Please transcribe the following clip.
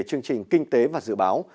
chương trình kinh tế và dự báo